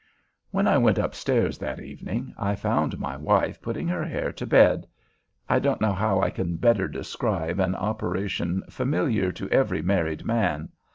When I went upstairs that evening, I found my wife putting her hair to bed—I don't know how I can better describe an operation familiar to every married man.